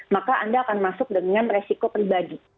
maka anda akan masuk dengan resiko pribadi